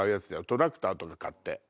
トラクターとか買って。